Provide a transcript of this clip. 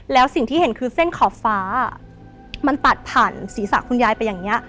แล้วสิ่งที่เห็นคือเส้นขอบฟ้ามันตัดผ่านศีรษะคุณยายไปอย่างนี้